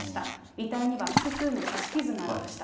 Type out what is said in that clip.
遺体には複数の刺し傷がありました。